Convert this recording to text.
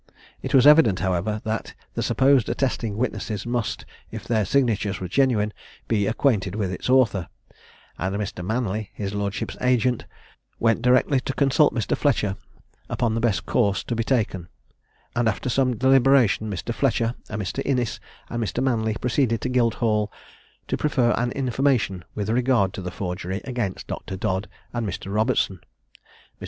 It was evident, however, that the supposed attesting witnesses must, if their signatures were genuine, be acquainted with its author; and Mr. Manly, his lordship's agent, went directly to consult Mr. Fletcher upon the best course to be taken; and after some deliberation, Mr. Fletcher, a Mr. Innis, and Mr. Manly proceeded to Guildhall to prefer an information with regard to the forgery against Dr. Dodd and Mr. Robertson. Mr.